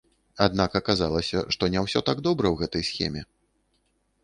Аднак аказалася, што не ўсё так добра ў гэтай схеме.